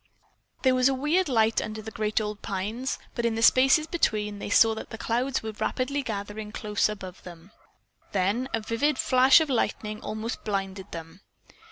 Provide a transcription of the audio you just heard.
There was a weird light under the great old pines, but in the spaces between they saw that clouds were rapidly gathering close above them. Then a vivid flash of lightning almost blinded them.